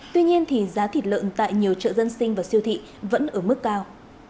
tuy nhiên thì giá thịt lợn tại nhiều chợ dân sinh và siêu thị vẫn ở mức cao